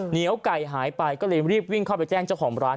เหนียวไก่หายไปก็เลยรีบวิ่งเข้าไปแจ้งเจ้าของร้าน